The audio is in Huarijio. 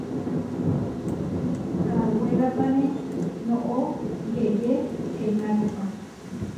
Kawerápane noʼó yeʼyé enákopa.